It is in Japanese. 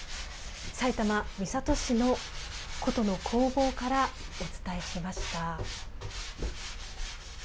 埼玉・三郷市の箏の工房からお伝えしました。